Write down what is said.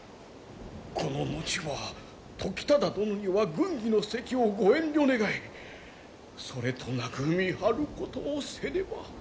この後は時忠殿には軍議の席をご遠慮願いそれとなく見張ることをせねば。